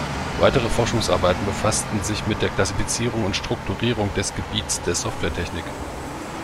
Weitere Forschungsarbeiten befassten sich mit der Klassifizierung und Strukturierung des Gebiets der Softwaretechnik.